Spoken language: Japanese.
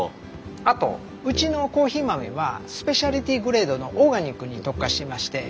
あとうちのコーヒー豆はスペシャルティグレードのオーガニックに特化してまして。